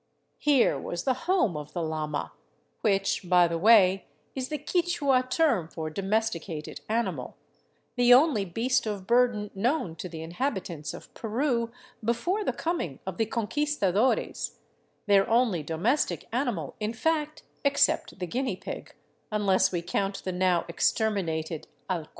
Here was the " home '* of the llama — which, by the way, is the Quichua term for domesticated animal — the only beast of burden known to the inhabitants of Peru before the coming of the Conquistadores, their only domestic animal, in fact, ex cept the guinea pig, unless we count the now exterminated allcu.